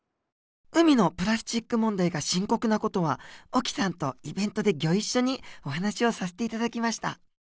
海のプラスチック問題が深刻な事は沖さんとイベントでギョ一緒にお話をさせて頂きました。